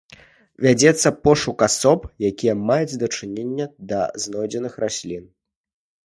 Вядзецца пошук асоб, якія маюць дачыненне да знойдзеных раслін.